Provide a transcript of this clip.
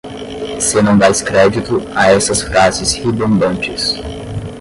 Se não dais crédito a essas frases ribombantes